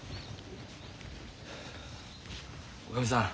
おかみさん